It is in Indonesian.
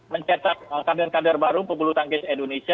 mencetak kandar kandar baru pulpulutanggis indonesia